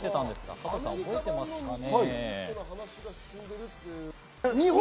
加藤さん覚えてますかね。